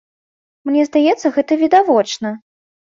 Мне здаецца, гэта відавочна.